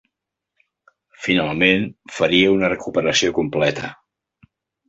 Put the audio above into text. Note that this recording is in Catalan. Finalment faria una recuperació completa.